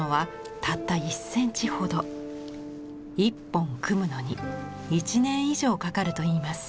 １本組むのに１年以上かかるといいます。